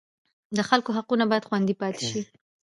د خلکو حقونه باید خوندي پاتې شي.